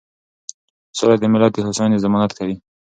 سوله د ملت د هوساینې ضمانت کوي.